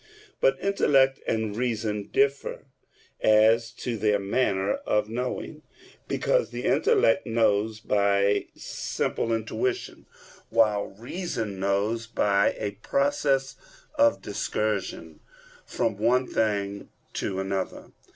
But intellect and reason differ as to their manner of knowing; because the intellect knows by simple intuition, while reason knows by a process of discursion from one thing to another.